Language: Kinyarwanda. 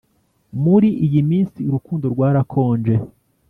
muri iyi minsi urukundo rwarakonje